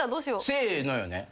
「せーの」よね。